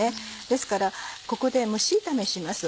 ですからここで蒸し炒めします。